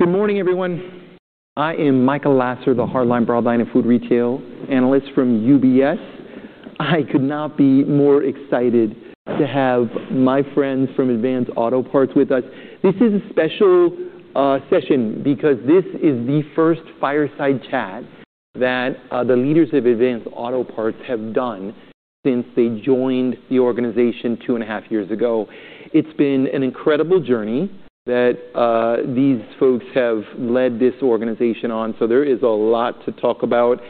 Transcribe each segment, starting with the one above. Good morning, everyone. I am Michael Lasser, the Hardline, Broadline and Food Retail Analyst from UBS. I could not be more excited to have my friends from Advance Auto Parts with us. This is a special session because this is the first fireside chat that the leaders of Advance Auto Parts have done since they joined the organization 2.5 years ago. It's been an incredible journey that these folks have led this organization on. There is a lot to talk about.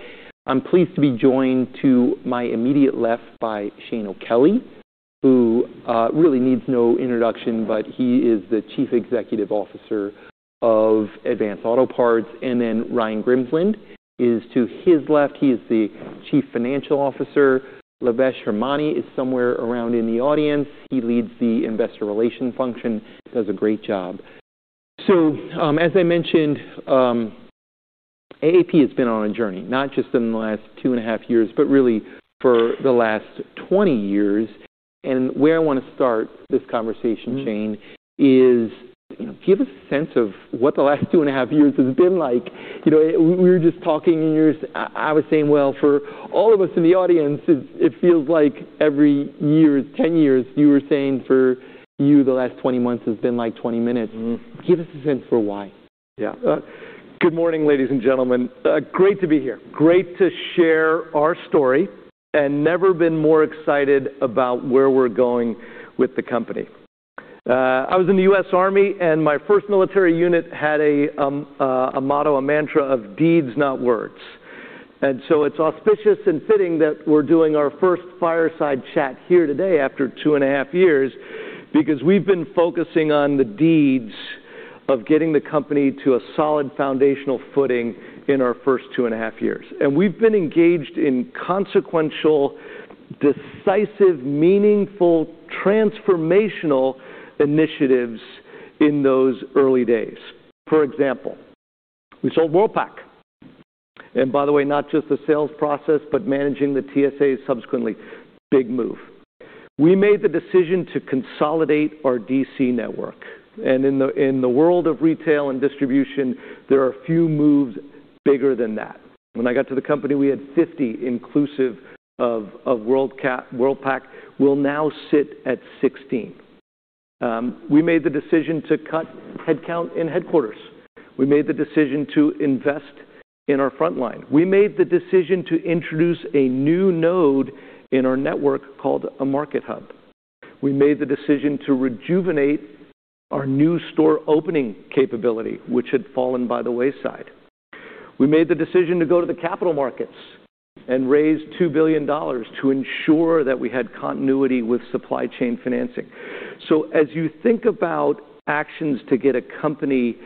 I'm pleased to be joined to my immediate left by Shane O'Kelly, who really needs no introduction, but he is the Chief Executive Officer of Advance Auto Parts. Ryan Grimsland is to his left. He is the Chief Financial Officer. Lavesh Hemnani is somewhere around in the audience. He leads the Investor Relations function, does a great job. As I mentioned, AAP has been on a journey, not just in the last 2.5 years, but really for the last 20 years. Where I wanna start this conversation, Shane, is, you know, give a sense of what the last 2.5 years has been like. You know, we were just talking, and I was saying, well, for all of us in the audience, it feels like every year is 10 years. You were saying for you, the last 20 months has been like 20 minutes. Mm-hmm. Give us a sense for why? Yeah. Good morning, ladies and gentlemen. Great to be here. Great to share our story, and never been more excited about where we're going with the company. I was in the U.S. Army, and my first military unit had a motto, a mantra of deeds not words. It's auspicious and fitting that we're doing our first fireside chat here today after 2.5 years because we've been focusing on the deeds of getting the company to a solid foundational footing in our first 2.5 years. We've been engaged in consequential, decisive, meaningful, transformational initiatives in those early days. For example, we sold Worldpac. By the way, not just the sales process, but managing the TSA subsequently. Big move. We made the decision to consolidate our DC network. In the world of retail and distribution, there are a few moves bigger than that. When I got to the company, we had 50 inclusive of Worldpac. We will now sit at 16. We made the decision to cut headcount in headquarters. We made the decision to invest in our front line. We made the decision to introduce a new node in our network called a Market Hub. We made the decision to rejuvenate our new store opening capability, which had fallen by the wayside. We made the decision to go to the capital markets and raise $2 billion to ensure that we had continuity with supply chain financing. As you think about actions to get a company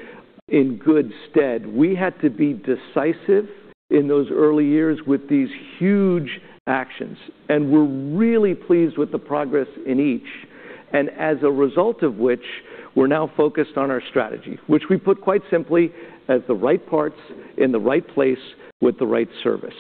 in good stead, we had to be decisive in those early years with these huge actions. We're really pleased with the progress in each. As a result of which, we're now focused on our strategy, which we put quite simply as the right parts in the right place with the right service.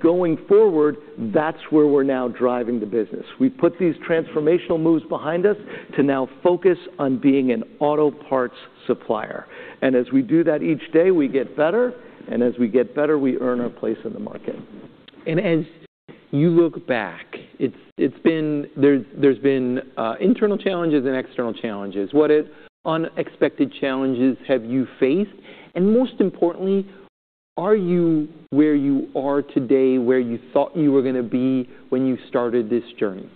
Going forward, that's where we're now driving the business. We put these transformational moves behind us to now focus on being an auto parts supplier. As we do that each day, we get better. As we get better, we earn our place in the market. As you look back, it's been. There's been internal challenges and external challenges. What unexpected challenges have you faced? Most importantly, are you where you are today, where you thought you were gonna be when you started this journey?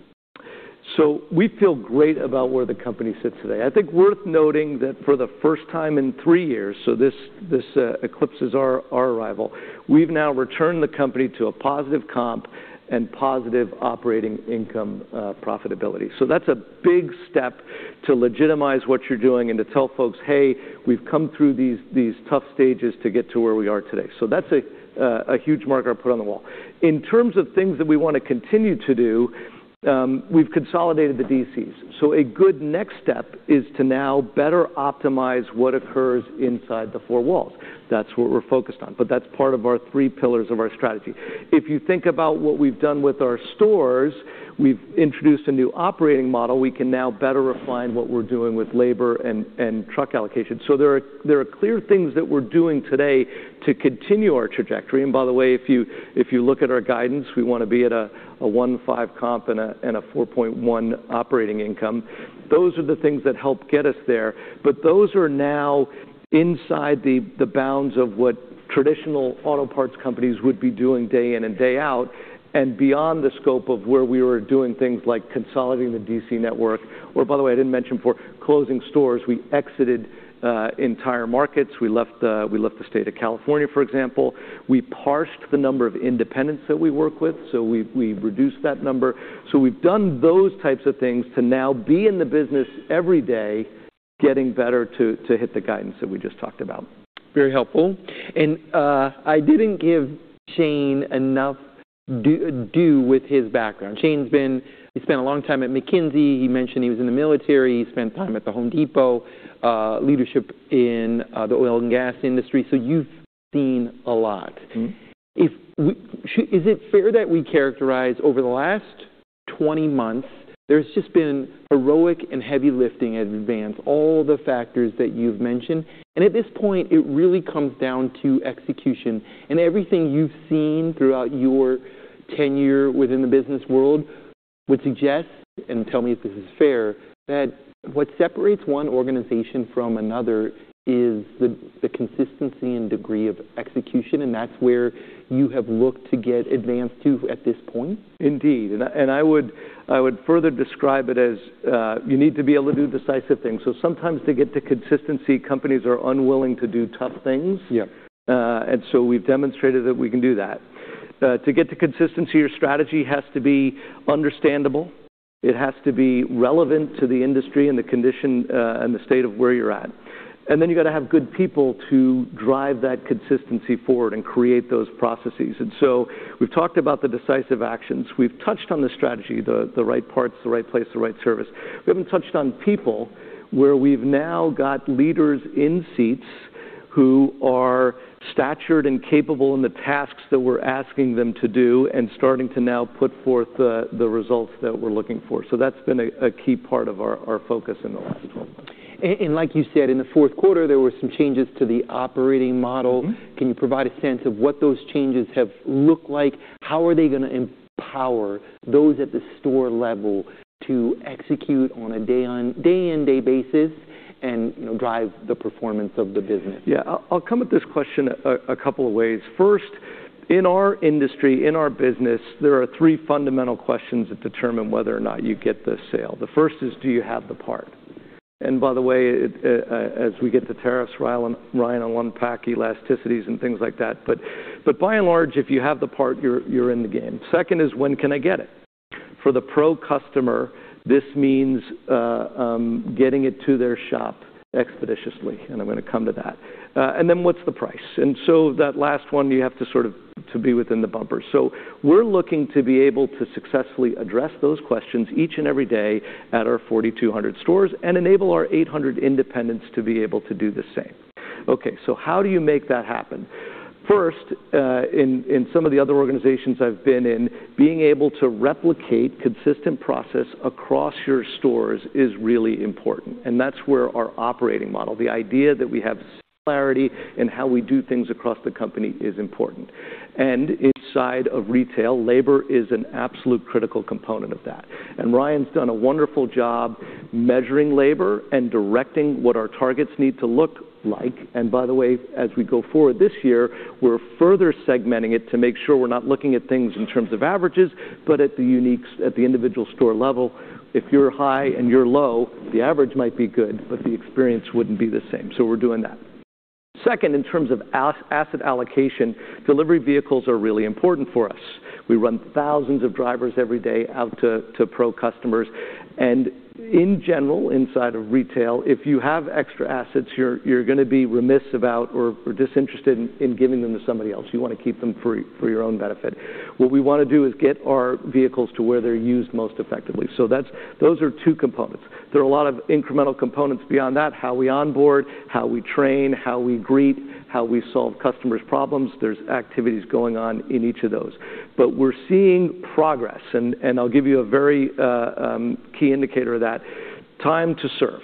We feel great about where the company sits today. I think worth noting that for the first time in three years, this eclipses our arrival, we've now returned the company to a positive comp and positive operating income, profitability. That's a big step to legitimize what you're doing and to tell folks, "Hey, we've come through these tough stages to get to where we are today." That's a huge marker I put on the wall. In terms of things that we wanna continue to do, we've consolidated the DCs. A good next step is to now better optimize what occurs inside the four walls. That's what we're focused on, but that's part of our three pillars of our strategy. If you think about what we've done with our stores, we've introduced a new operating model. We can now better refine what we're doing with labor and truck allocation. There are clear things that we're doing today to continue our trajectory. By the way, if you look at our guidance, we wanna be at a 1.5% comp and a 4.1% operating income. Those are the things that help get us there. Those are now inside the bounds of what traditional auto parts companies would be doing day in and day out, and beyond the scope of where we were doing things like consolidating the DC network, or by the way, I didn't mention before closing stores, we exited entire markets. We left the state of California, for example. We pared the number of independents that we work with, so we reduced that number. We've done those types of things to now be in the business every day, getting better to hit the guidance that we just talked about. Very helpful. I didn't give Shane enough due with his background. Shane's been. He spent a long time at McKinsey. He mentioned he was in the military. He spent time at The Home Depot, leadership in the oil and gas industry. You've seen a lot. Mm-hmm. Is it fair that we characterize over the last 20 months, there's just been heroic and heavy lifting at Advance, all the factors that you've mentioned. At this point, it really comes down to execution. Everything you've seen throughout your tenure within the business world would suggest, and tell me if this is fair, that what separates one organization from another is the consistency and degree of execution, and that's where you have looked to get Advance to at this point. Indeed. I would further describe it as you need to be able to do decisive things. Sometimes to get to consistency, companies are unwilling to do tough things. Yeah. We've demonstrated that we can do that. To get to consistency, your strategy has to be understandable. It has to be relevant to the industry and the condition, and the state of where you're at. Then you gotta have good people to drive that consistency forward and create those processes. We've talked about the decisive actions. We've touched on the strategy, the right parts, the right place, the right service. We haven't touched on people, where we've now got leaders in seats who are statured and capable in the tasks that we're asking them to do and starting to now put forth the results that we're looking for. That's been a key part of our focus in the last 12 months. Like you said, in the fourth quarter, there were some changes to the operating model. Mm-hmm. Can you provide a sense of what those changes have looked like? How are they gonna empower those at the store level to execute on a day in, day out basis and, you know, drive the performance of the business? Yeah. I'll come at this question a couple of ways. First, in our industry, in our business, there are three fundamental questions that determine whether or not you get the sale. The first is, do you have the part? By the way, as we get to tariffs, Ryan on unpacking elasticities and things like that. By and large, if you have the part, you're in the game. Second is, when can I get it? For the pro customer, this means getting it to their shop expeditiously, and I'm gonna come to that. What's the price? That last one, you have to sort of be within the bumper. We're looking to be able to successfully address those questions each and every day at our 4,200 stores and enable our 800 independents to be able to do the same. Okay, how do you make that happen? First, in some of the other organizations I've been in, being able to replicate consistent process across your stores is really important, and that's where our operating model, the idea that we have clarity in how we do things across the company is important. Inside of retail, labor is an absolute critical component of that. Ryan's done a wonderful job measuring labor and directing what our targets need to look like. By the way, as we go forward this year, we're further segmenting it to make sure we're not looking at things in terms of averages, but at the uniques, at the individual store level. If you're high and you're low, the average might be good, but the experience wouldn't be the same. We're doing that. Second, in terms of asset allocation, delivery vehicles are really important for us. We run thousands of drivers every day out to pro customers. In general, inside of retail, if you have extra assets, you're gonna be remiss about or disinterested in giving them to somebody else. You wanna keep them for your own benefit. What we wanna do is get our vehicles to where they're used most effectively. That's. Those are two components. There are a lot of incremental components beyond that, how we onboard, how we train, how we greet, how we solve customers' problems. There's activities going on in each of those. We're seeing progress, and I'll give you a very key indicator of that. Time to serve.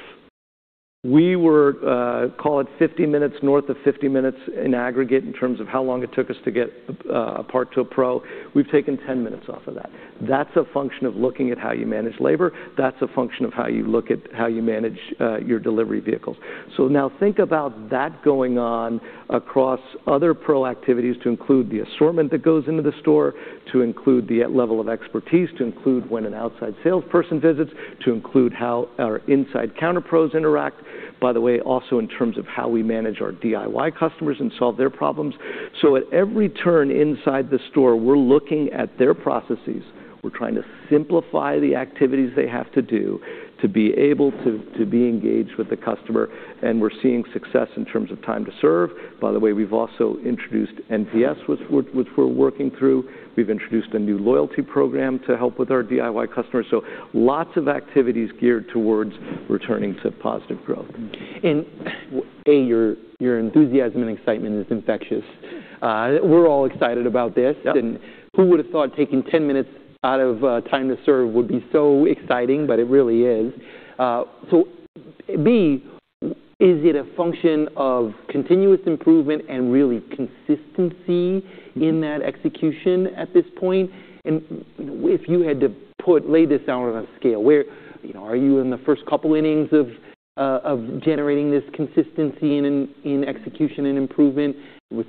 We were, call it 50 minutes, north of 50 minutes in aggregate in terms of how long it took us to get a part to a pro. We've taken 10 minutes off of that. That's a function of looking at how you manage labor. That's a function of how you look at how you manage your delivery vehicles. Now think about that going on across other pro activities to include the assortment that goes into the store, to include the level of expertise, to include when an outside salesperson visits, to include how our inside counter pros interact, by the way, also in terms of how we manage our DIY customers and solve their problems. At every turn inside the store, we're looking at their processes. We're trying to simplify the activities they have to do to be able to be engaged with the customer, and we're seeing success in terms of time to serve. By the way, we've also introduced NPS, which we're working through. We've introduced a new loyalty program to help with our DIY customers. Lots of activities geared towards returning to positive growth. Your enthusiasm and excitement is infectious. We're all excited about this. Yep. Who would have thought taking 10 minutes out of time to serve would be so exciting, but it really is. B, is it a function of continuous improvement and really consistency in that execution at this point? If you had to lay this down on a scale, you know, are you in the first couple innings of generating this consistency in execution and improvement with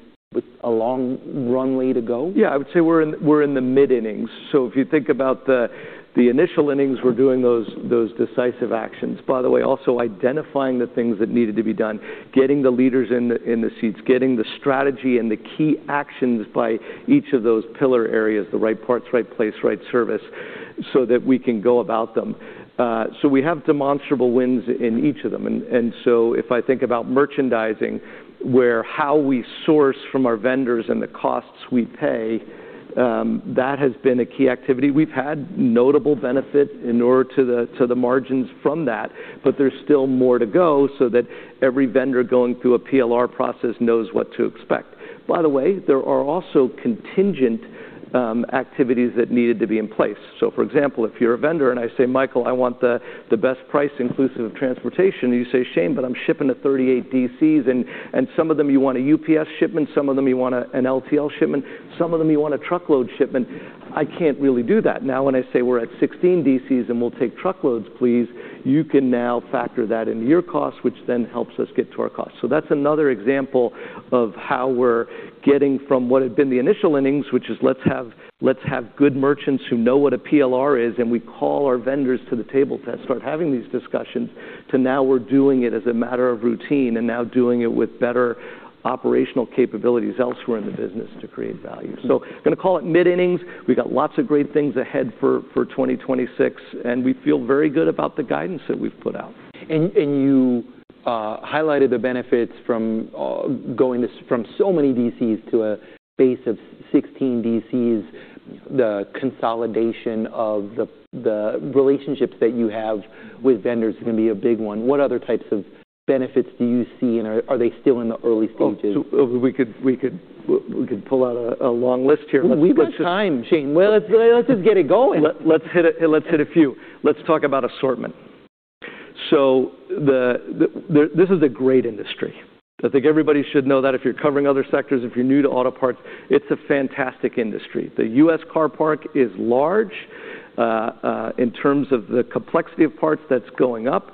a long runway to go? Yeah. I would say we're in the mid-innings. If you think about the initial innings, we're doing those decisive actions. By the way, also identifying the things that needed to be done, getting the leaders in the seats, getting the strategy and the key actions by each of those pillar areas, the right parts, right place, right service, so that we can go about them. We have demonstrable wins in each of them. If I think about merchandising, where how we source from our vendors and the costs we pay, that has been a key activity. We've had notable benefit to the margins from that, but there's still more to go so that every vendor going through a PLR process knows what to expect. By the way, there are also contingent activities that needed to be in place. For example, if you're a vendor and I say, "Michael, I want the best price inclusive of transportation," you say, "Shane, but I'm shipping to 38 DCs and some of them you want a UPS shipment, some of them you want an LTL shipment, some of them you want a truckload shipment. I can't really do that." Now, when I say we're at 16 DCs and we'll take truckloads, please, you can now factor that into your cost, which then helps us get to our cost. That's another example of how we're getting from what had been the initial innings, which is let's have good merchants who know what a PLR is, and we call our vendors to the table to start having these discussions, to now we're doing it as a matter of routine and now doing it with better operational capabilities elsewhere in the business to create value. Gonna call it mid-innings. We've got lots of great things ahead for 2026, and we feel very good about the guidance that we've put out. You highlighted the benefits from going from so many DCs to a base of 16 DCs. The consolidation of the relationships that you have with vendors is gonna be a big one. What other types of benefits do you see, and are they still in the early stages? Oh, we could pull out a long list here. We've got time, Shane. Well, let's just get it going. Let's hit a few. Let's talk about assortment. This is a great industry. I think everybody should know that if you're covering other sectors, if you're new to auto parts, it's a fantastic industry. The U.S. car parc is large. In terms of the complexity of parts, that's going up.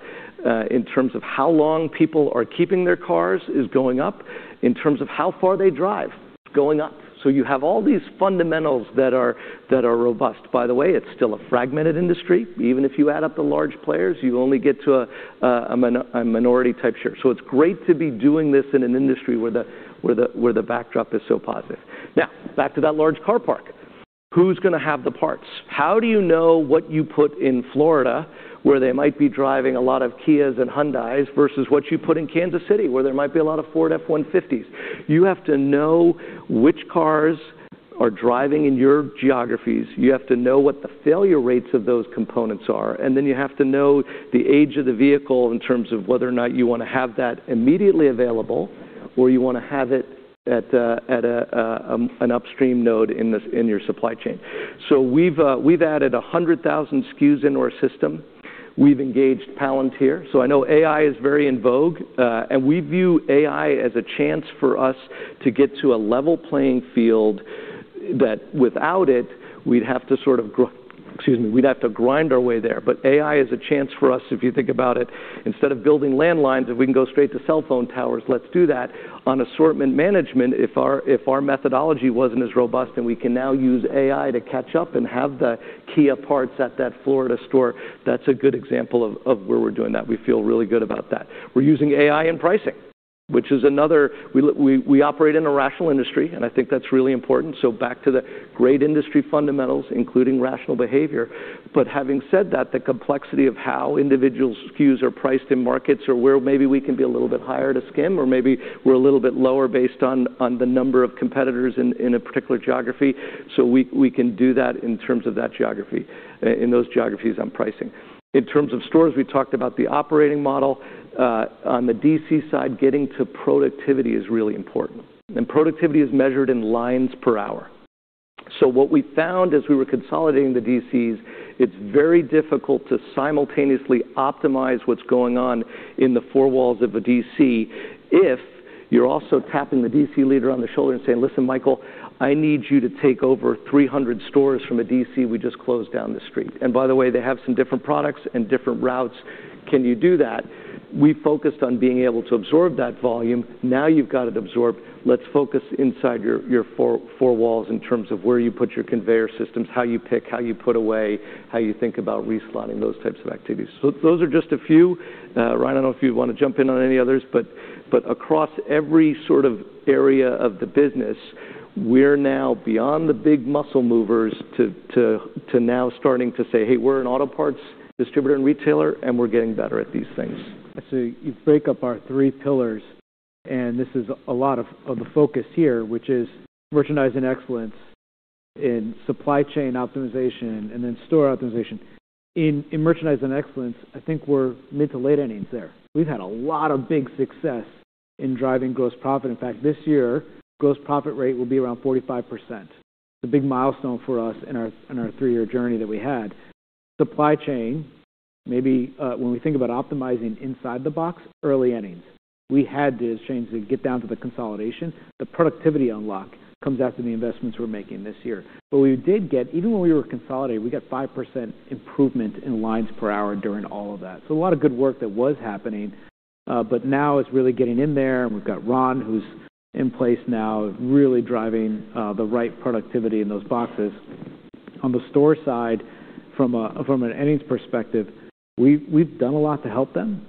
In terms of how long people are keeping their cars is going up. In terms of how far they drive, going up. You have all these fundamentals that are robust. By the way, it's still a fragmented industry. Even if you add up the large players, you only get to a minority type share. It's great to be doing this in an industry where the backdrop is so positive. Now, back to that large car parc. Who's gonna have the parts? How do you know what you put in Florida, where they might be driving a lot of Kias and Hyundais, versus what you put in Kansas City, where there might be a lot of Ford F-150s? You have to know which cars are driving in your geographies. You have to know what the failure rates of those components are, and then you have to know the age of the vehicle in terms of whether or not you wanna have that immediately available or you wanna have it at an upstream node in your supply chain. We've added 100,000 SKUs into our system. We've engaged Palantir. I know AI is very in vogue, and we view AI as a chance for us to get to a level playing field that without it, we'd have to sort of grind our way there. AI is a chance for us, if you think about it, instead of building landlines, if we can go straight to cell phone towers, let's do that. On assortment management, if our methodology wasn't as robust, then we can now use AI to catch up and have the Kia parts at that Florida store. That's a good example of where we're doing that. We feel really good about that. We're using AI in pricing, which is another. We operate in a rational industry, and I think that's really important. Back to the great industry fundamentals, including rational behavior. Having said that, the complexity of how individual SKUs are priced in markets or where maybe we can be a little bit higher to skim or maybe we're a little bit lower based on the number of competitors in a particular geography. We can do that in terms of that geography, in those geographies on pricing. In terms of stores, we talked about the operating model. On the DC side, getting to productivity is really important. Productivity is measured in lines per hour. What we found as we were consolidating the DCs, it's very difficult to simultaneously optimize what's going on in the four walls of a DC if you're also tapping the DC leader on the shoulder and saying, "Listen, Michael, I need you to take over 300 stores from a DC we just closed down the street. By the way, they have some different products and different routes. Can you do that? We focused on being able to absorb that volume. Now you've got it absorbed, let's focus inside your four walls in terms of where you put your conveyor systems, how you pick, how you put away, how you think about reslotting, those types of activities. Those are just a few. Ryan, I don't know if you wanna jump in on any others, but across every sort of area of the business, we're now beyond the big muscle movers to now starting to say, "Hey, we're an auto parts distributor and retailer, and we're getting better at these things. You break up our three pillars, and this is a lot of the focus here, which is merchandising excellence in supply chain optimization and then store optimization. In merchandising excellence, I think we're mid to late innings there. We've had a lot of big success in driving gross profit. In fact, this year, gross profit rate will be around 45%. It's a big milestone for us in our three-year journey that we had. Supply chain, maybe, when we think about optimizing inside the box, early innings. We had to, as Shane said, get down to the consolidation. The productivity unlock comes after the investments we're making this year. We did get, even when we were consolidating, we got 5% improvement in lines per hour during all of that. A lot of good work that was happening, but now it's really getting in there, and we've got Ron, who's in place now, really driving the right productivity in those boxes. On the store side, from an innings perspective, we've done a lot to help them.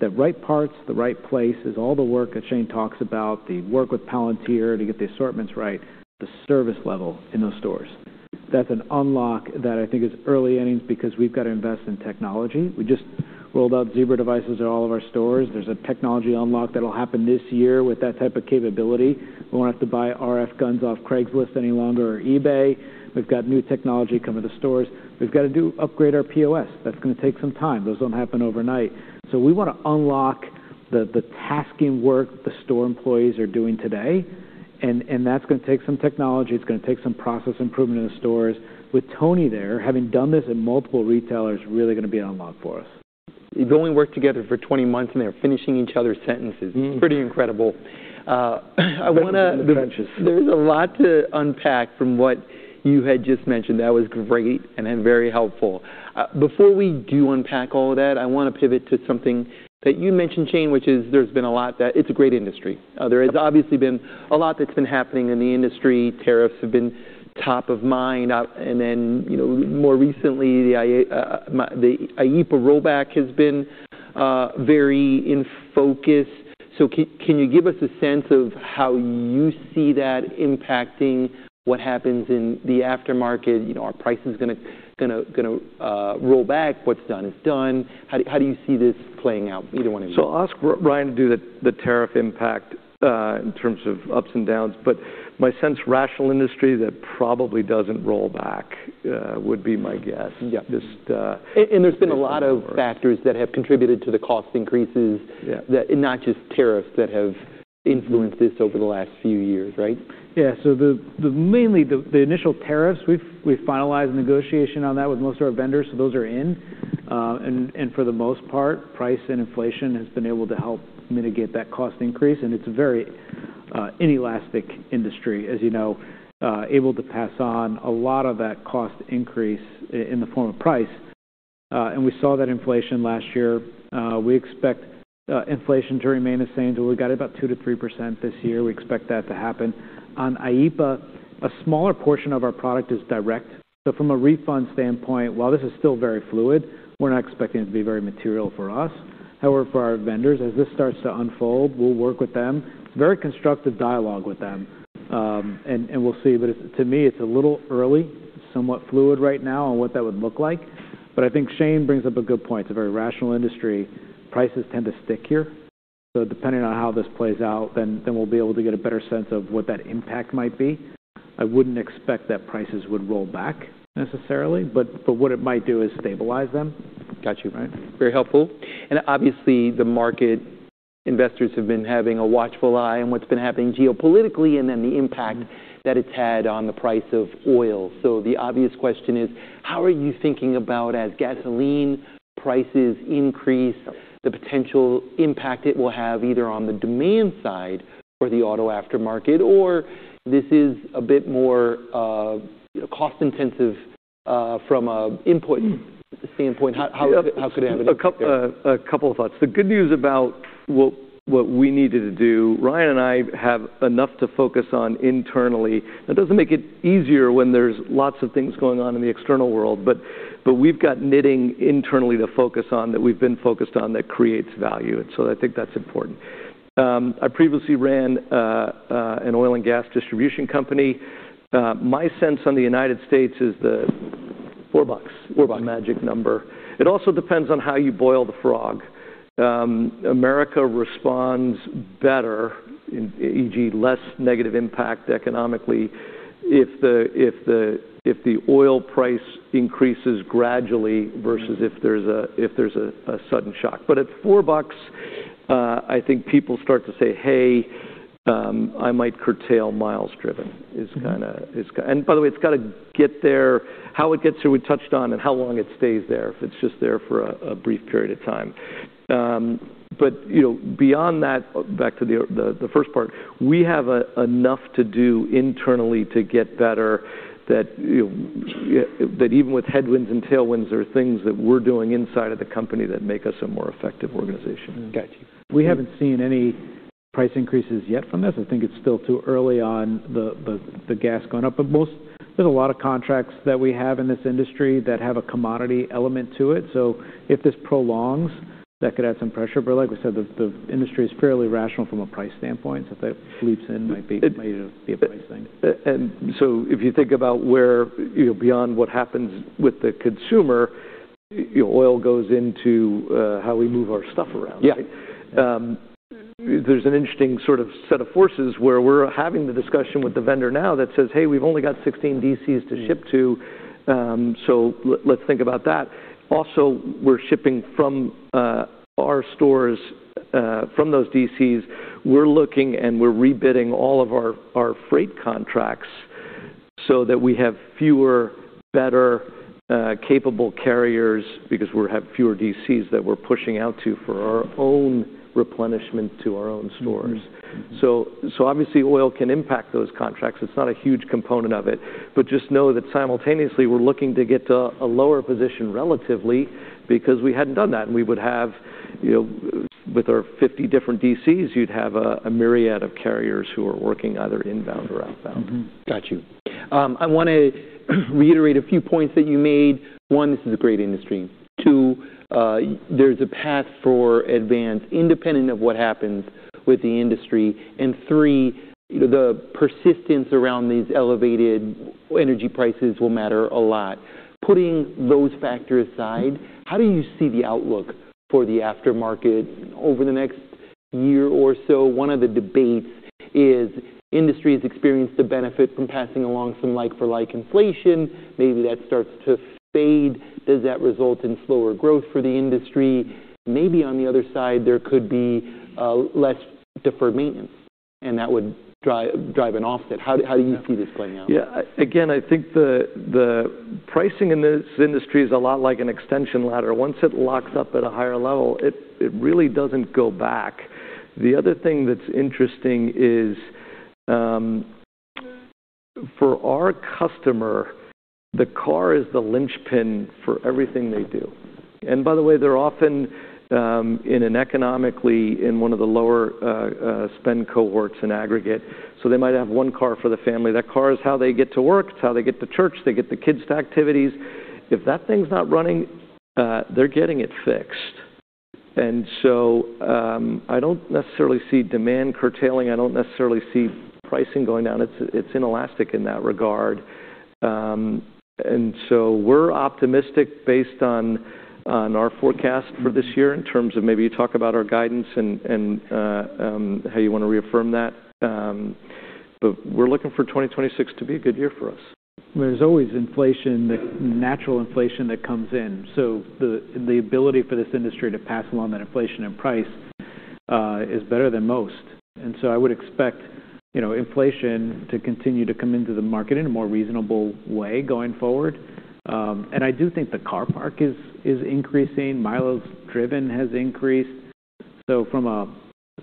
The right parts, the right place is all the work that Shane talks about, the work with Palantir to get the assortments right, the service level in those stores. That's an unlock that I think is early innings because we've got to invest in technology. We just rolled out Zebra devices at all of our stores. There's a technology unlock that'll happen this year with that type of capability. We won't have to buy RF guns off Craigslist any longer or eBay. We've got new technology coming to stores. We've got to upgrade our POS. That's gonna take some time. Those don't happen overnight. We wanna unlock The tasking work the store employees are doing today, and that's gonna take some technology, it's gonna take some process improvement in the stores. With Tony there, having done this in multiple retailers, really gonna be an unlock for us. They've only worked together for 20 months, and they're finishing each other's sentences. Mm-hmm. Pretty incredible. Been through some trenches. There's a lot to unpack from what you had just mentioned. That was great and then very helpful. Before we do unpack all of that, I wanna pivot to something that you mentioned, Shane, which is there's been a lot. It's a great industry. There has obviously been a lot that's been happening in the industry. Tariffs have been top of mind. You know, more recently, the IEEPA rollback has been very in focus. So can you give us a sense of how you see that impacting what happens in the aftermarket? You know, are prices gonna roll back? What's done is done. How do you see this playing out, either one of you? I'll ask Ryan to do the tariff impact in terms of ups and downs, but my sense rational industry that probably doesn't roll back would be my guess. Yeah. Just. There's been a lot of factors that have contributed to the cost increases. Yeah Not just tariffs that have influenced this over the last few years, right? The initial tariffs we've finalized negotiation on with most of our vendors, so those are in. For the most part, price and inflation has been able to help mitigate that cost increase, and it's a very inelastic industry, as you know, able to pass on a lot of that cost increase in the form of price. We saw that inflation last year. We expect inflation to remain the same till we got about 2%-3% this year. We expect that to happen. On IEEPA, a smaller portion of our product is direct, so from a refund standpoint, while this is still very fluid, we're not expecting it to be very material for us. However, for our vendors, as this starts to unfold, we'll work with them. Very constructive dialogue with them, and we'll see. It's to me, it's a little early, somewhat fluid right now on what that would look like. I think Shane brings up a good point. It's a very rational industry. Prices tend to stick here. Depending on how this plays out, then we'll be able to get a better sense of what that impact might be. I wouldn't expect that prices would roll back necessarily, but what it might do is stabilize them. Got you, Ryan. Very helpful. Obviously, the market investors have been having a watchful eye on what's been happening geopolitically and then the impact that it's had on the price of oil. The obvious question is: how are you thinking about, as gasoline prices increase, the potential impact it will have either on the demand side for the auto aftermarket, or this is a bit more, cost-intensive, from an input standpoint. How could it have an impact there? A couple of thoughts. The good news about what we needed to do, Ryan and I have enough to focus on internally. That doesn't make it easier when there's lots of things going on in the external world, but we've got knitting internally to focus on that we've been focused on that creates value. I think that's important. I previously ran an oil and gas distribution company. My sense on the United States is the $4- Magic number. It also depends on how you boil the frog. America responds better in, e.g., less negative impact economically if the oil price increases gradually versus if there's a sudden shock. At $4, I think people start to say, "Hey, I might curtail miles driven," is kinda Mm-hmm. By the way, it's gotta get there. How it gets there, we touched on, and how long it stays there, if it's just there for a brief period of time. But, you know, beyond that, back to the first part, we have enough to do internally to get better that, you know, that even with headwinds and tailwinds, there are things that we're doing inside of the company that make us a more effective organization. Got you. We haven't seen any price increases yet from this. I think it's still too early on the gas going up. There's a lot of contracts that we have in this industry that have a commodity element to it. If this prolongs, that could add some pressure. Like we said, the industry is fairly rational from a price standpoint. If it leaps in, might be. It, it- Might be a price thing. If you think about where, you know, beyond what happens with the consumer, oil goes into how we move our stuff around. Yeah. There's an interesting sort of set of forces where we're having the discussion with the vendor now that says, "Hey, we've only got 16 DCs to ship to, so let's think about that." Also, we're shipping from our stores from those DCs. We're looking and we're rebidding all of our freight contracts so that we have fewer, better capable carriers because we have fewer DCs that we're pushing out to for our own replenishment to our own stores. Mm-hmm. Obviously oil can impact those contracts. It's not a huge component of it, but just know that simultaneously we're looking to get to a lower position relatively because we hadn't done that and we would have, you know, with our 50 different DCs, you'd have a myriad of carriers who are working either inbound or outbound. Got you. I wanna reiterate a few points that you made. One, this is a great industry. Two, there's a path for Advance independent of what happens with the industry. Three, you know, the persistence around these elevated energy prices will matter a lot. Putting those factors aside, how do you see the outlook for the aftermarket over the next year or so? One of the debates is the industry has experienced the benefit from passing along some like for like inflation. Maybe that starts to fade. Does that result in slower growth for the industry? Maybe on the other side, there could be less deferred maintenance. That would drive an offset. How do you see this playing out? Yeah. Again, I think the pricing in this industry is a lot like an extension ladder. Once it locks up at a higher level, it really doesn't go back. The other thing that's interesting is, for our customer, the car is the linchpin for everything they do. By the way, they're often in one of the lower spend cohorts in aggregate. They might have one car for the family. That car is how they get to work, it's how they get to church, they get the kids to activities. If that thing's not running, they're getting it fixed. I don't necessarily see demand curtailing. I don't necessarily see pricing going down. It's inelastic in that regard. We're optimistic based on our forecast for this year in terms of maybe you talk about our guidance and how you wanna reaffirm that. We're looking for 2026 to be a good year for us. There's always inflation, natural inflation that comes in. The ability for this industry to pass along that inflation and price is better than most. I would expect, you know, inflation to continue to come into the market in a more reasonable way going forward. I do think the car parc is increasing. Miles driven has increased. From a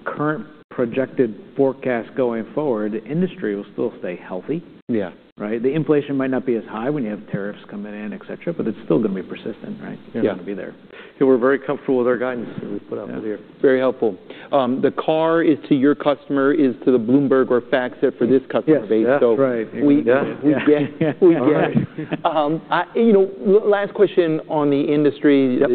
current projected forecast going forward, the industry will still stay healthy. Yeah. Right? The inflation might not be as high when you have tariffs coming in, et cetera, but it's still gonna be persistent, right? Yeah. It's gonna be there. We're very comfortable with our guidance that we put out this year. Very helpful. The key is to your customer, as to the Bloomberg or FactSet for this customer base. Yes. That's right. We get. All right. You know, last question on the industry. Yep.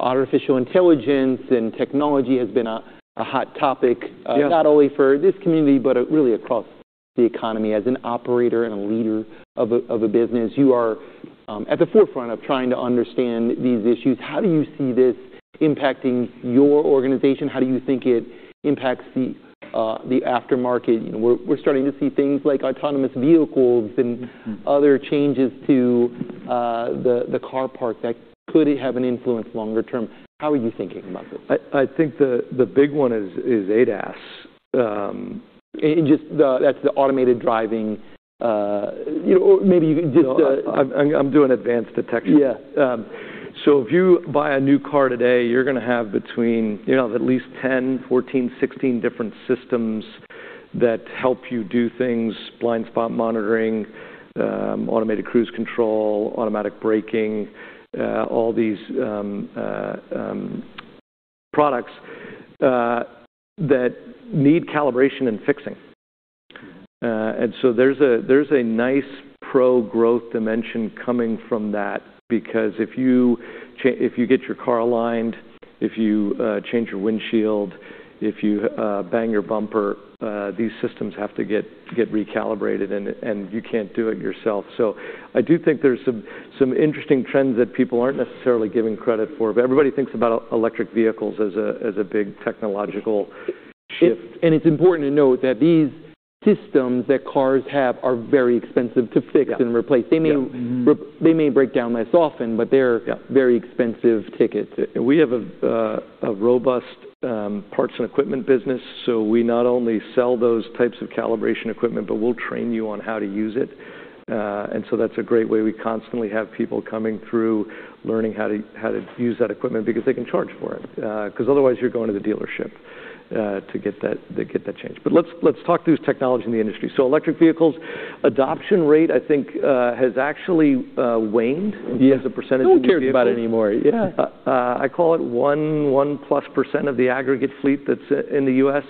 Artificial intelligence and technology has been a hot topic. Yeah Not only for this community, but really across the economy. As an operator and a leader of a business, you are at the forefront of trying to understand these issues. How do you see this impacting your organization? How do you think it impacts the aftermarket? You know, we're starting to see things like autonomous vehicles and other changes to the car parc that could have an influence longer term. How are you thinking about this? I think the big one is ADAS. That's the automated driving, you know, or maybe you can just, No, I'm doing advanced detection. Yeah. If you buy a new car today, you're gonna have between, you know, at least 10, 14, 16 different systems that help you do things, blind spot monitoring, automated cruise control, automatic braking, all these products that need calibration and fixing. There's a nice pro-growth dimension coming from that because if you get your car aligned, if you change your windshield, if you bang your bumper, these systems have to get recalibrated and you can't do it yourself. I do think there's some interesting trends that people aren't necessarily giving credit for. Everybody thinks about electric vehicles as a big technological shift. It's important to note that these systems that cars have are very expensive to fix. Yeah replace. Yeah. Mm-hmm. They may break down less often, but they're. Yeah Very expensive tickets. We have a robust parts and equipment business, so we not only sell those types of calibration equipment, but we'll train you on how to use it. That's a great way. We constantly have people coming through, learning how to use that equipment because they can charge for it. 'Cause otherwise you're going to the dealership to get that changed. Let's talk through technology in the industry. Electric vehicles adoption rate I think has actually waned. Yeah as a percentage of new vehicles. No one cares about it anymore. Yeah. I call it 1%+ of the aggregate fleet that's in the U.S.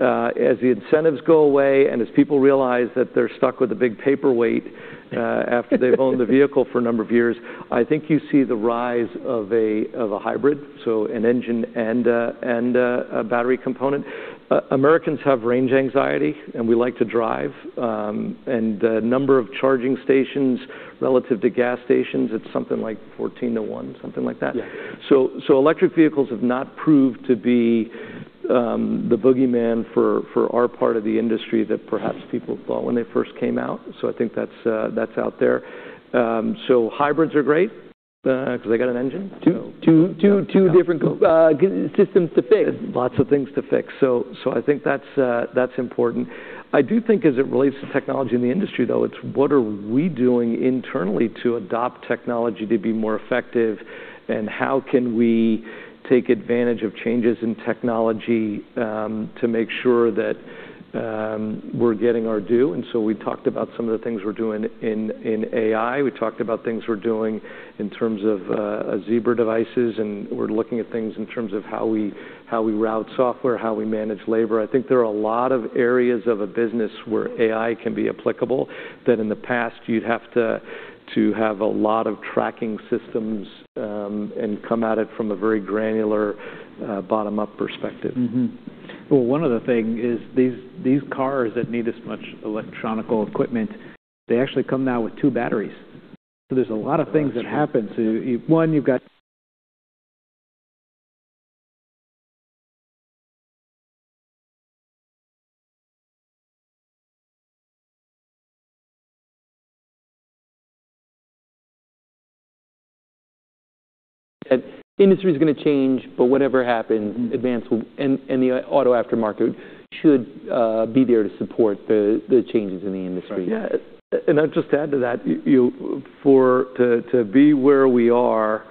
As the incentives go away, and as people realize that they're stuck with a big paperweight after they've owned the vehicle for a number of years, I think you see the rise of a hybrid, so an engine and a battery component. Americans have range anxiety, and we like to drive, and the number of charging stations relative to gas stations, it's something like 14-1, something like that. Yeah. Electric vehicles have not proved to be the boogeyman for our part of the industry that perhaps people thought when they first came out. I think that's out there. Hybrids are great, 'cause they got an engine. Two different systems to fix. Lots of things to fix. I think that's important. I do think as it relates to technology in the industry though, it's what are we doing internally to adopt technology to be more effective, and how can we take advantage of changes in technology to make sure that we're getting our due? We talked about some of the things we're doing in AI. We talked about things we're doing in terms of Zebra devices, and we're looking at things in terms of how we route software, how we manage labor. I think there are a lot of areas of a business where AI can be applicable that in the past you'd have to have a lot of tracking systems and come at it from a very granular bottom-up perspective. Well, one other thing is these cars that need this much electronic equipment, they actually come now with two batteries. There's a lot of things that happen to. One, you've got That industry is gonna change, but whatever happens. Mm-hmm Advance and the auto aftermarket should be there to support the changes in the industry. Right. Yeah. I'll just add to that, you to be where we are,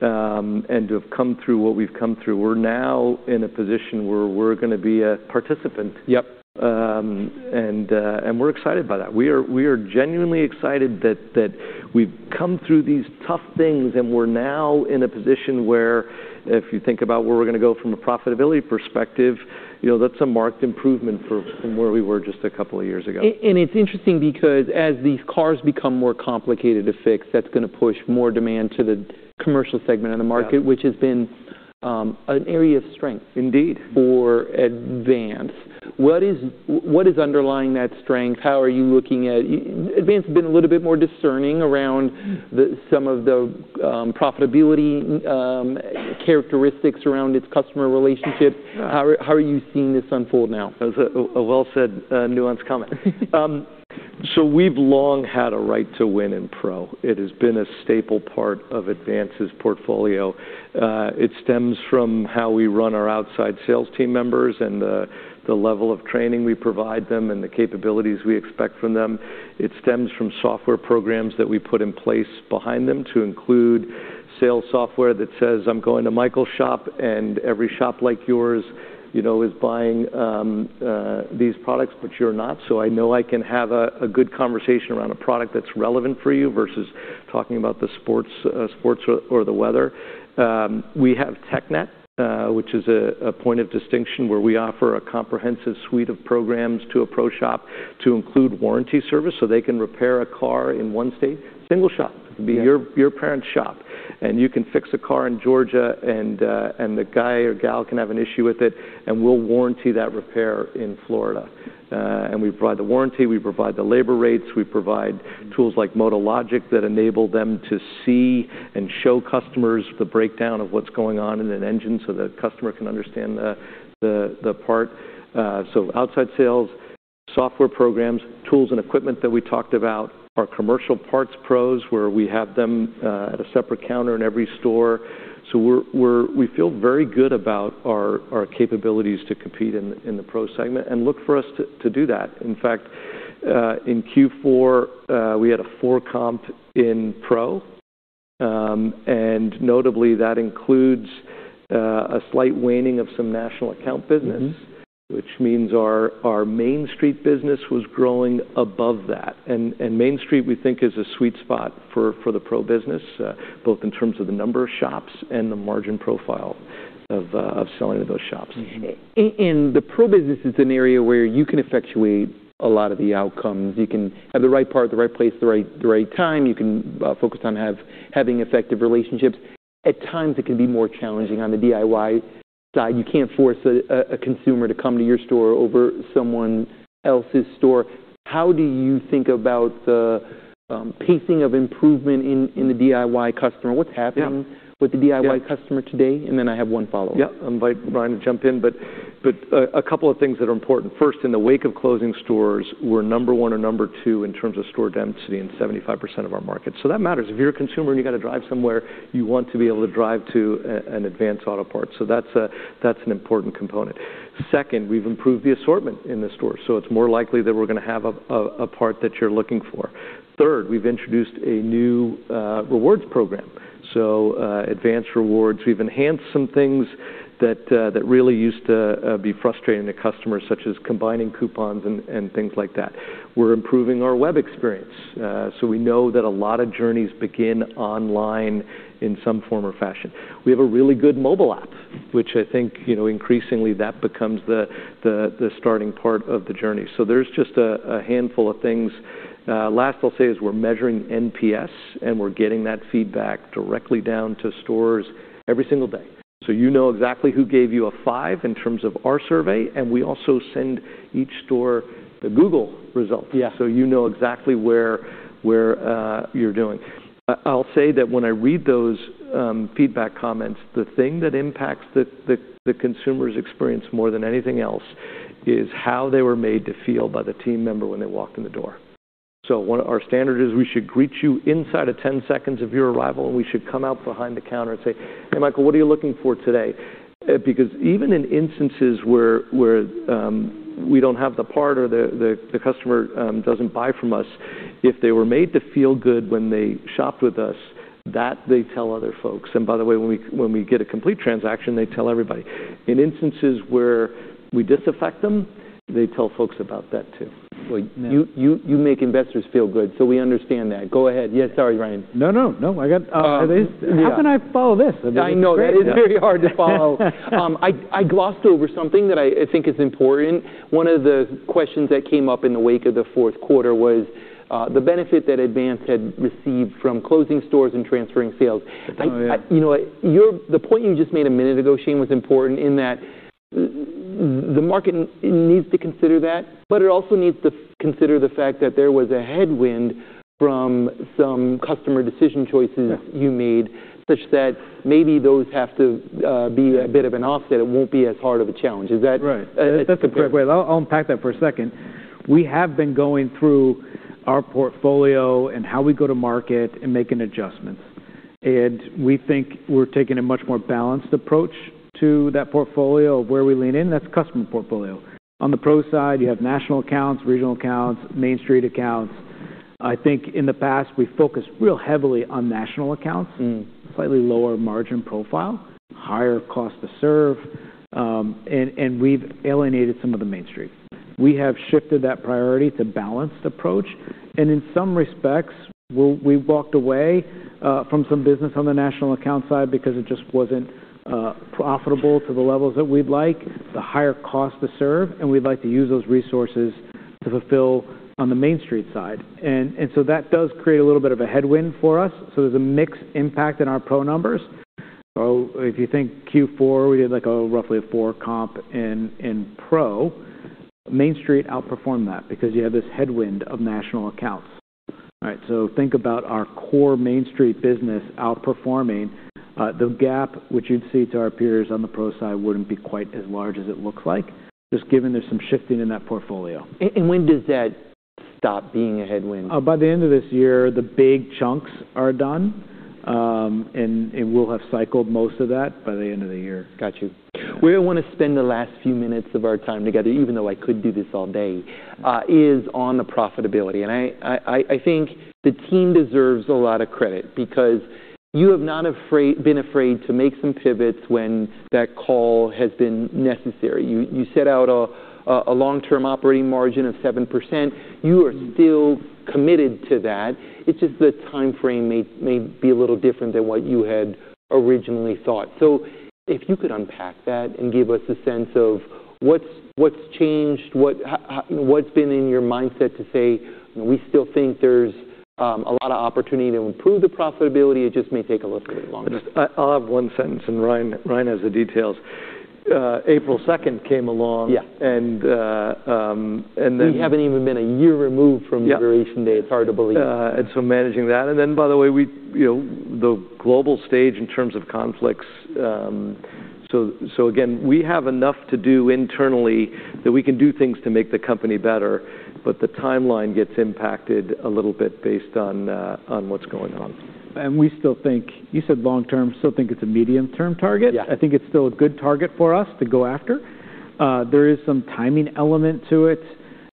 and to have come through what we've come through, we're now in a position where we're gonna be a participant. Yep. We're excited by that. We are genuinely excited that we've come through these tough things, and we're now in a position where if you think about where we're gonna go from a profitability perspective, you know, that's a marked improvement from where we were just a couple of years ago. It's interesting because as these cars become more complicated to fix, that's gonna push more demand to the commercial segment of the market. Yeah... which has been an area of strength- Indeed For Advance. What is underlying that strength? How are you looking at Advance has been a little bit more discerning around some of the profitability characteristics around its customer relationships. Yeah. How are you seeing this unfold now? That's a well-said nuanced comment. We've long had a right to win in pro. It has been a staple part of Advance's portfolio. It stems from how we run our outside sales team members and the level of training we provide them and the capabilities we expect from them. It stems from software programs that we put in place behind them to include sales software that says, "I'm going to Michael's shop, and every shop like yours, you know, is buying these products, but you're not. I know I can have a good conversation around a product that's relevant for you versus talking about the sports or the weather. We have TechNet, which is a point of distinction where we offer a comprehensive suite of programs to a pro shop to include warranty service, so they can repair a car in one state. Single shop. Yeah. It could be your parent's shop, and you can fix a car in Georgia, and the guy or gal can have an issue with it, and we'll warranty that repair in Florida. We provide the warranty, we provide the labor rates, we provide tools like MotoLogic that enable them to see and show customers the breakdown of what's going on in an engine so that customer can understand the part. Outside sales, software programs, tools and equipment that we talked about, our commercial parts pros, where we have them, at a separate counter in every store. We feel very good about our capabilities to compete in the pro segment and look for us to do that. In fact, in Q4, we had a 4% comp in Pro, and notably, that includes a slight waning of some national account business. Mm-hmm ... which means our Main Street business was growing above that. Main Street, we think, is a sweet spot for the pro business, both in terms of the number of shops and the margin profile of selling to those shops. The pro business is an area where you can effectuate a lot of the outcomes. You can have the right part, the right place, the right time. You can focus on having effective relationships. At times, it can be more challenging. On the DIY side, you can't force a consumer to come to your store over someone else's store. How do you think about the pacing of improvement in the DIY customer? What's happening? Yeah with the DIY customer today? Yeah. I have one follow-up. Yeah. I invite Ryan to jump in, but a couple of things that are important. First, in the wake of closing stores, we're number one or number two in terms of store density in 75% of our markets. That matters. If you're a consumer and you gotta drive somewhere, you want to be able to drive to an Advance Auto Parts. That's an important component. Second, we've improved the assortment in the stores, so it's more likely that we're gonna have a part that you're looking for. Third, we've introduced a new rewards program. Advance Rewards, we've enhanced some things that really used to be frustrating to customers, such as combining coupons and things like that. We're improving our web experience. We know that a lot of journeys begin online in some form or fashion. We have a really good mobile app, which I think, you know, increasingly that becomes the starting part of the journey. There's just a handful of things. Last I'll say is we're measuring NPS, and we're getting that feedback directly down to stores every single day. You know exactly who gave you a five in terms of our survey, and we also send each store the Google results. Yeah. You know exactly what you're doing. I'll say that when I read those feedback comments, the thing that impacts the consumer's experience more than anything else is how they were made to feel by the team member when they walked in the door. One of our standards is we should greet you inside of 10 seconds of your arrival, and we should come out from behind the counter and say, "Hey, Michael, what are you looking for today?" Because even in instances where we don't have the part or the customer doesn't buy from us, if they were made to feel good when they shopped with us, that they tell other folks. By the way, when we get a complete transaction, they tell everybody. In instances where we disaffect them, they tell folks about that too. Like- You make investors feel good, so we understand that. Go ahead. Yeah, sorry, Ryan. No, I got. Yeah. How can I follow this? I mean, this is great. I know. That is very hard to follow. I glossed over something that I think is important. One of the questions that came up in the wake of the fourth quarter was the benefit that Advance had received from closing stores and transferring sales. Oh, yeah. You know what? The point you just made a minute ago, Shane, was important in that the market needs to consider that, but it also needs to consider the fact that there was a headwind from some customer decision choices. Yeah You made, such that maybe those have to be a bit of an offset. It won't be as hard of a challenge. Is that? Right. That's a great way. I'll unpack that for a second We have been going through our portfolio and how we go to market and making adjustments. We think we're taking a much more balanced approach to that portfolio of where we lean in, that's customer portfolio. On the pro side, you have national accounts, regional accounts, Main Street accounts. I think in the past, we focused real heavily on national accounts. Mm. Slightly lower margin profile, higher cost to serve, and we've alienated some of the Main Street. We have shifted that priority to balanced approach. In some respects, we've walked away from some business on the national account side because it just wasn't profitable to the levels that we'd like, the higher cost to serve, and we'd like to use those resources to fulfill on the Main Street side. That does create a little bit of a headwind for us. There's a mixed impact in our pro numbers. If you think Q4, we had like roughly a four comp in Pro. Main Street outperformed that because you have this headwind of national accounts. All right, think about our core Main Street business outperforming, the gap which you'd see to our peers on the pro side wouldn't be quite as large as it looks like, just given there's some shifting in that portfolio. When does that stop being a headwind? By the end of this year, the big chunks are done. We'll have cycled most of that by the end of the year. Got you. Where I wanna spend the last few minutes of our time together, even though I could do this all day, is on the profitability. I think the team deserves a lot of credit because you have not been afraid to make some pivots when that call has been necessary. You set out a long-term operating margin of 7%. You are still committed to that. It's just the timeframe may be a little different than what you had originally thought. If you could unpack that and give us a sense of what's changed, what's been in your mindset to say, "We still think there's a lot of opportunity to improve the profitability. It just may take a little bit longer. I'll have one sentence, and Ryan has the details. April 2nd came along. Yeah. -and, uh, um, and then- We haven't even been a year removed from the. Yeah. It's hard to believe. managing that. By the way, we, you know, the global stage in terms of conflicts, so again, we have enough to do internally that we can do things to make the company better, but the timeline gets impacted a little bit based on what's going on. We still think. You said long-term, still think it's a medium-term target. Yeah. I think it's still a good target for us to go after. There is some timing element to it.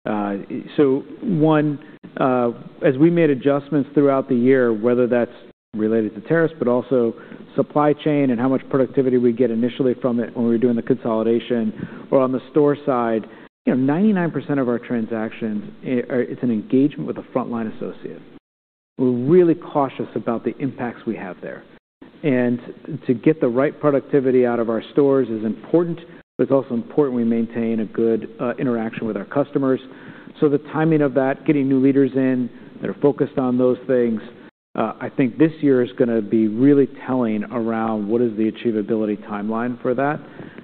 One, as we made adjustments throughout the year, whether that's related to tariffs, but also supply chain and how much productivity we'd get initially from it when we were doing the consolidation or on the store side. You know, 99% of our transactions are an engagement with a frontline associate. We're really cautious about the impacts we have there. To get the right productivity out of our stores is important, but it's also important we maintain a good interaction with our customers. The timing of that, getting new leaders in that are focused on those things, I think this year is gonna be really telling around what is the achievability timeline for that.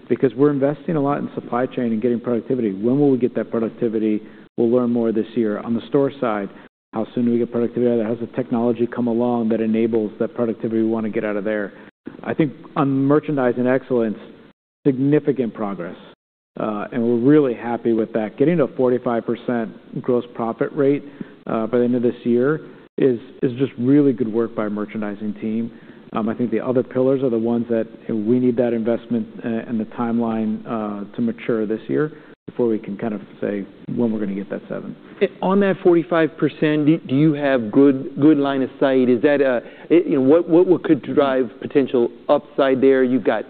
Because we're investing a lot in supply chain and getting productivity. When will we get that productivity? We'll learn more this year. On the store side, how soon do we get productivity out of that? Has the technology come along that enables that productivity we wanna get out of there? I think on merchandising excellence, significant progress, and we're really happy with that. Getting to a 45% gross profit rate by the end of this year is just really good work by our merchandising team. I think the other pillars are the ones that we need that investment and the timeline to mature this year before we can kind of say when we're gonna get that seven. On that 45%, do you have good line of sight? Is that a. You know, what could drive potential upside there? You've got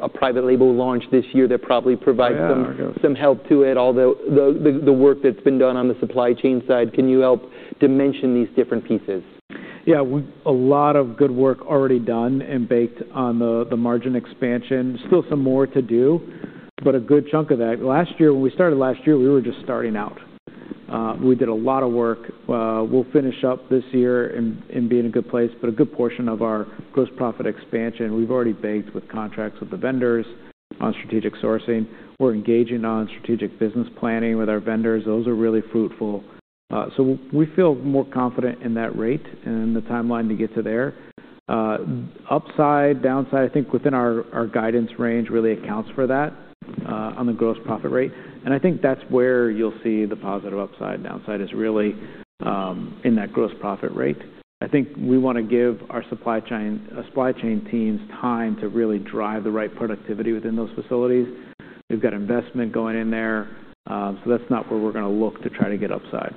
a private label launch this year that probably provides. Yeah. Some help to it. Although the work that's been done on the supply chain side, can you help dimension these different pieces? Yeah. A lot of good work already done and baked on the margin expansion. Still some more to do, but a good chunk of that. Last year, when we started last year, we were just starting out. We did a lot of work. We'll finish up this year and be in a good place, but a good portion of our gross profit expansion, we've already baked with contracts with the vendors on strategic sourcing. We're engaging on strategic business planning with our vendors. Those are really fruitful. So we feel more confident in that rate and the timeline to get to there. Upside, downside, I think within our guidance range really accounts for that, on the gross profit rate. I think that's where you'll see the positive upside. Downside is really in that gross profit rate. I think we wanna give our supply chain teams time to really drive the right productivity within those facilities. We've got investment going in there, so that's not where we're gonna look to try to get upside.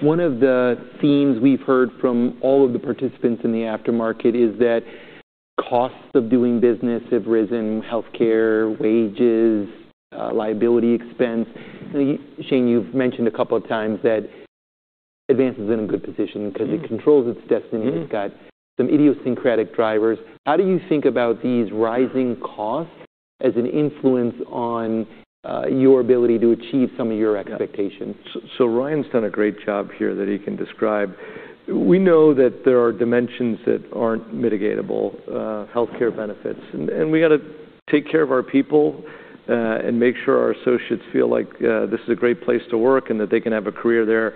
One of the themes we've heard from all of the participants in the aftermarket is that costs of doing business have risen, healthcare, wages, liability expense. Shane, you've mentioned a couple of times that Advance is in a good position 'cause it controls its destiny. Mm-hmm. It's got some idiosyncratic drivers. How do you think about these rising costs as an influence on your ability to achieve some of your expectations? Ryan’s done a great job here that he can describe. We know that there are dimensions that aren't mitigatable, healthcare benefits. We gotta take care of our people, and make sure our associates feel like, this is a great place to work and that they can have a career there.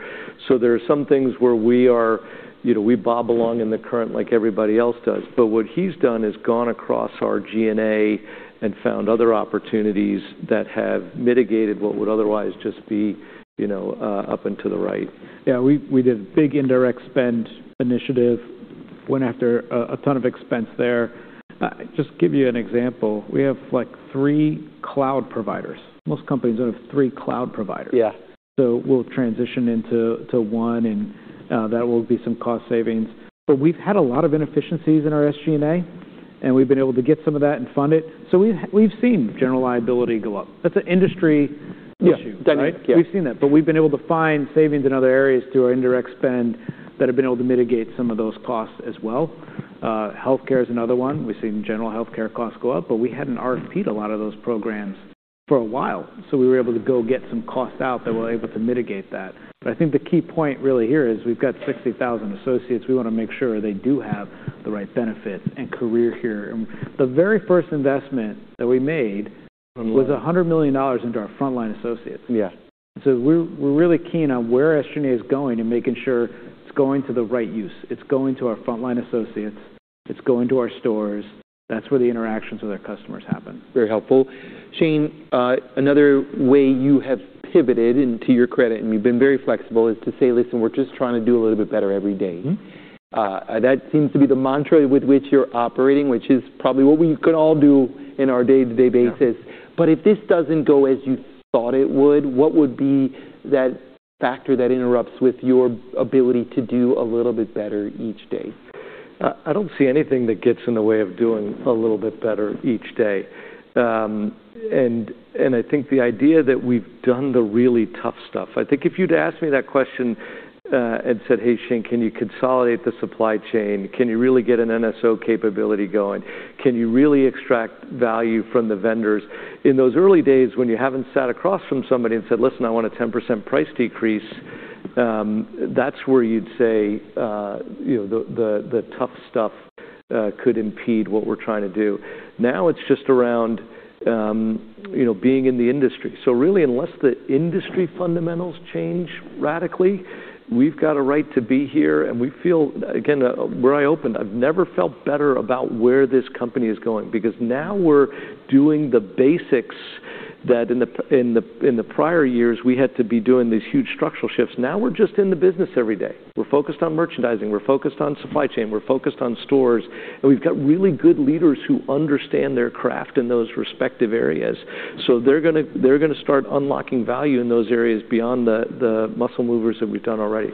There are some things where we are, you know, we bob along in the current like everybody else does. What he's done is gone across our G&A and found other opportunities that have mitigated what would otherwise just be, you know, up and to the right. Yeah, we did a big indirect spend initiative. Went after a ton of expense there. Just give you an example, we have, like, three cloud providers. Most companies don't have three cloud providers. Yeah. We'll transition into one, and that will be some cost savings. We've had a lot of inefficiencies in our SG&A, and we've been able to get some of that and fund it. We've seen general liability go up. That's an industry issue, right? Yeah. Definitely. Yeah. We've seen that, but we've been able to find savings in other areas through our indirect spend that have been able to mitigate some of those costs as well. Healthcare is another one. We've seen general healthcare costs go up, but we hadn't RFP'd a lot of those programs for a while, so we were able to go get some cost out that we're able to mitigate that. I think the key point really here is we've got 60,000 associates. We wanna make sure they do have the right benefits and career here. The very first investment that we made. Mm-hmm was $100 million into our frontline associates. Yeah. We're really keen on where SG&A is going and making sure it's going to the right use. It's going to our frontline associates. It's going to our stores. That's where the interactions with our customers happen. Very helpful. Shane, another way you have pivoted, and to your credit, and you've been very flexible, is to say, "Listen, we're just trying to do a little bit better every day. Mm-hmm. That seems to be the mantra with which you're operating, which is probably what we could all do in our day-to-day basis. Yeah. If this doesn't go as you thought it would, what would be that factor that interrupts with your ability to do a little bit better each day? I don't see anything that gets in the way of doing a little bit better each day. I think the idea that we've done the really tough stuff. I think if you'd asked me that question and said, "Hey, Shane, can you consolidate the supply chain? Can you really get an NSO capability going? Can you really extract value from the vendors?" In those early days, when you haven't sat across from somebody and said, "Listen, I want a 10% price decrease," that's where you'd say, you know, the tough stuff could impede what we're trying to do. Now it's just around, you know, being in the industry. Really, unless the industry fundamentals change radically, we've got a right to be here, and we feel, again, where I opened, I've never felt better about where this company is going because now we're doing the basics that in the prior years, we had to be doing these huge structural shifts. Now we're just in the business every day. We're focused on merchandising. We're focused on supply chain. We're focused on stores. We've got really good leaders who understand their craft in those respective areas. They're gonna start unlocking value in those areas beyond the muscle movers that we've done already.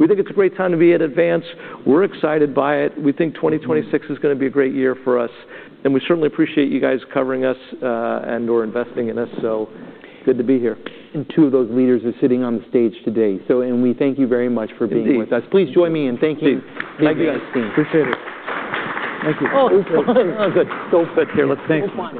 We think it's a great time to be at Advance. We're excited by it. We think 2026 is gonna be a great year for us, and we certainly appreciate you guys covering us, and/or investing in us. Good to be here. Two of those leaders are sitting on the stage today. We thank you very much for being with us. Indeed. Please join me in thanking. Please. Thank you, guys. Appreciate it. Thank you. Oh, it was fun. Good. Don't sit here. Let's sit here.